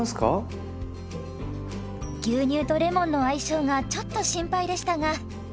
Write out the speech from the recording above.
牛乳とレモンの相性がちょっと心配でしたが。